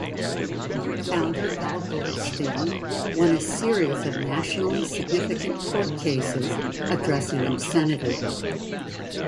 Founder Al Goldstein won a series of nationally significant court cases addressing obscenity.